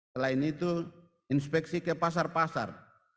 selain itu inspeksi ke pasar pasar